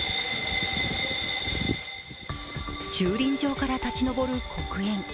駐輪場から立ち上る黒煙。